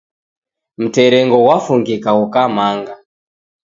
Mterengo gwafungika ghukamanga